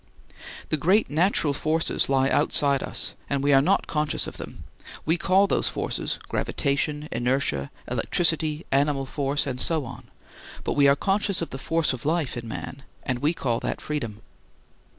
The great natural forces lie outside us and we are not conscious of them; we call those forces gravitation, inertia, electricity, animal force, and so on, but we are conscious of the force of life in man and we call that freedom.